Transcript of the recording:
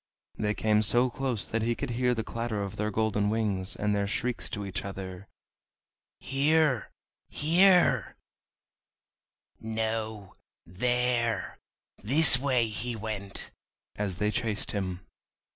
They came so close that he could hear the clatter of their golden wings, and their shrieks to each other: "here, here," "no, there; this way he went," as they chased him.